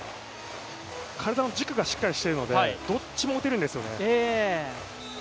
体の軸がしっかりしているのでどっちも打てるんですよね。